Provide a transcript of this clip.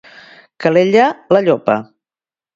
Calella la llopa.